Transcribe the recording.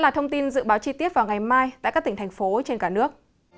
thông tin dự báo chi tiết vào ngày mai tại các tỉnh thành phố trên cả nước